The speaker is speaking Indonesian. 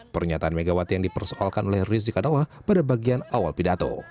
pernyataan megawati yang dipersoalkan oleh rizik adalah pada bagian awal pidato